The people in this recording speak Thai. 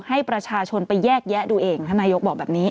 ให้ประชาชนไปแยกแยะดูเองท่านนายกบอกแบบนี้